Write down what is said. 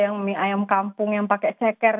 yang mie ayam kampung yang pakai ceker